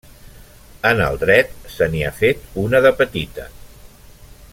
En el dret se n'hi ha fet una de petita.